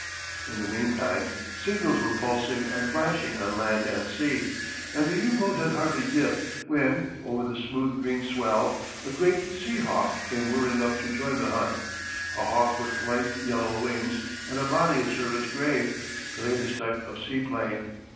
In the meantime signals were pulsing and flashing on land and sea, and the U boat had hardly dipped when, over the smooth green swell, a great sea hawk came whirring up to join the hunt, a hawk with light yellow wings and a body of service grey the latest type of seaplane.